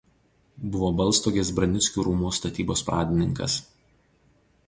Buvo Balstogės Branickių rūmų statybos pradininkas.